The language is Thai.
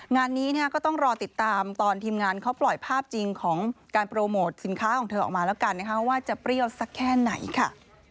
งานนี้ก็ต้องรอติดตามตอนทีมงานเขาปล่อยภาพจริงของการโปรโมทสินค้าของเธอออกมาแล้วกันนะคะว่าจะเปรี้ยวสักแค่ไหนค่ะ